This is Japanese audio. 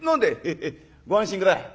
「へへご安心くだい。